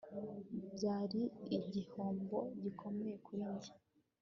Byari igihombo gikomeye kuri njye